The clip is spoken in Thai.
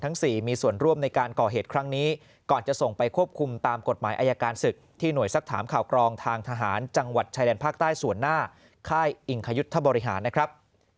๔มีส่วนร่วมในการก่อเหตุครั้งนี้ก่อนจะส่งไปควบคุมตามกฎหมายอายการศึกที่หน่วยสักถามข่าวกรองทางทหารจังหวัดชายแดนภาคใต้ส่วนหน้าค่ายอิงคยุทธบริหารนะครับ